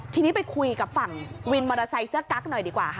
ทีนี้ไปคุยกับฝั่งวินมอเตอร์ไซค์เสื้อกั๊กหน่อยดีกว่าค่ะ